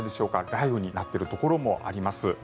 雷雨になっているところもあります。